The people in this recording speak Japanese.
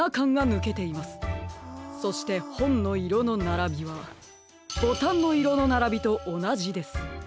そしてほんのいろのならびはボタンのいろのならびとおなじです。